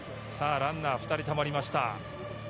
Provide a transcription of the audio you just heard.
ランナー、２人たまりました。